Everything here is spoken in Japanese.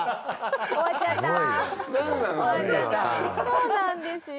そうなんですよ。